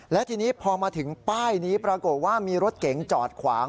และทีนี้พอมาถึงป้ายนี้ปรากฏว่ามีรถเก๋งจอดขวาง